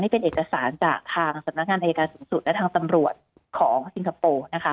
เป็นเอกสารจากทางสำนักงานอายการสูงสุดและทางตำรวจของสิงคโปร์นะคะ